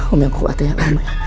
om yang kuat ya om